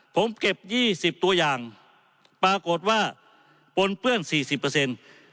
ผมเก็บ๒๐ตัวอย่างปรากฏว่าปนเปื้อน๔๐